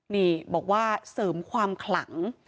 นี่บอกว่าเสริมความขลัง